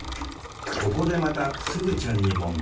ここでまたすずちゃんに問題。